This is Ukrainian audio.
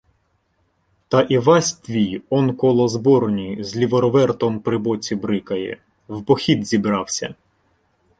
Та Івась твій он коло зборні з ліворвертом при боці брикає — в похід зібрався.